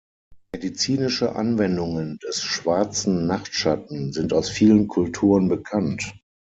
Medizinische Anwendungen des Schwarzen Nachtschatten sind aus vielen Kulturen bekannt.